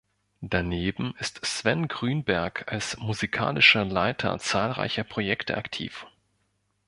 Daneben ist Sven Grünberg als musikalischer Leiter zahlreicher Projekte aktiv.